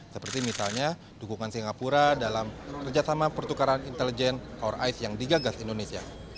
seperti misalnya dukungan singapura dalam kerjasama pertukaran intelijen hour ice yang digagas indonesia